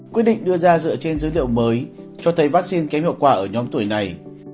quyết định đưa ra dựa trên dữ liệu mới cho thấy vaccine kém hiệu quả ở nhóm tuổi này